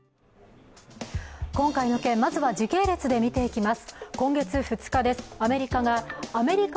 今回の件、まずは時系列で見ていきます。